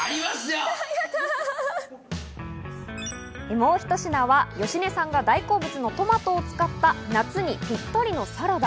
もうひと品は芳根さんが大好物のトマトを使った夏にぴったりのサラダ。